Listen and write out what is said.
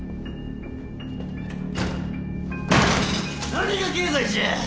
何が経済じゃ！